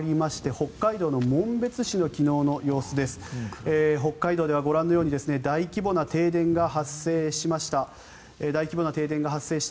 北海道ではご覧のように大規模な停電が発生しました。